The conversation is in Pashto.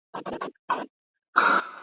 خطاطان بې تمرینه نه وي.